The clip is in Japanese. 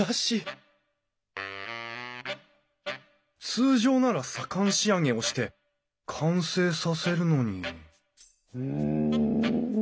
通常なら左官仕上げをして完成させるのにうん？